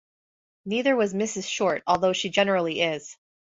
Neither was Mrs. Short although she generally is.